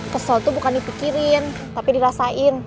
kesel itu bukan dipikirin tapi dirasain